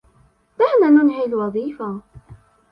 دعنا ننهي الوظيفة..